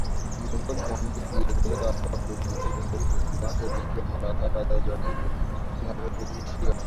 ni miongoni mwa miji yenye hewa chafu ulimwenguni huku viwango vikiwa mara saba zaidi ya vile vinavyoruhusiwa